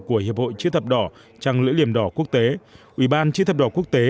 của hiệp hội chữ thập đỏ trăng lưỡi liềm đỏ quốc tế ủy ban chữ thập đỏ quốc tế